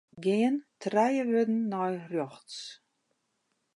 Gean trije wurden nei rjochts.